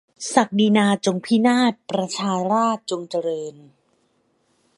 ศักดินาจงพินาศ ประชาราษฎร์จงเจริญ